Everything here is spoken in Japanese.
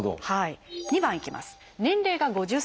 ２番いきます。